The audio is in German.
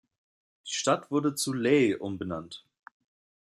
Die Stadt wurde zu Lae umbenannt.